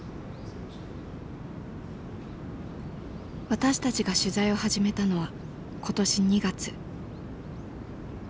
私たちが取材を始めたのは今年２月。